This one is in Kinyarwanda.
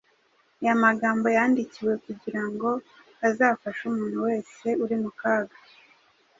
Aya magambo yandikiwe kugira ngo azafashe umuntu wese uri mu kaga